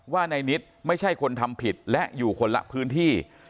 ว่านายนิดไม่ใช่คนทำผิดและอยู่คนละพื้นที่